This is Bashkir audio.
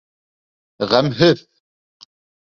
Ғәмһеҙ!